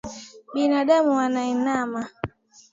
Binamu anainama.